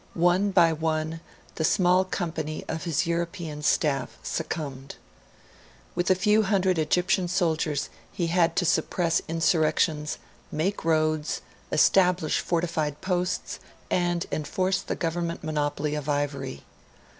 One by one the small company of his European staff succumbed. With a few hundred Egyptian soldiers he had to suppress insurrections, make roads, establish fortified posts, and enforce the government monopoly of ivory.